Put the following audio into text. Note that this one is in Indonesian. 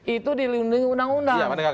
itu dilindungi undang undang